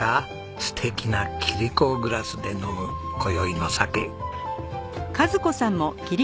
素敵な切子グラスで飲む今宵の酒。